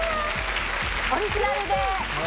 オリジナルで。